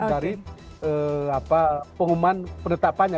dari pengumuman pendetapannya